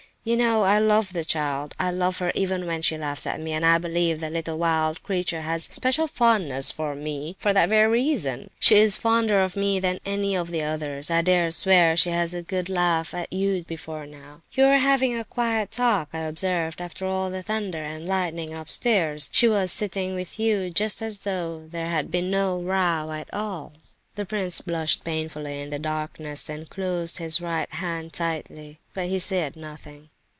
You know I love the child—I love her even when she laughs at me, and I believe the wild little creature has a special fondness for me for that very reason. She is fonder of me than any of the others. I dare swear she has had a good laugh at you before now! You were having a quiet talk just now, I observed, after all the thunder and lightning upstairs. She was sitting with you just as though there had been no row at all." The prince blushed painfully in the darkness, and closed his right hand tightly, but he said nothing.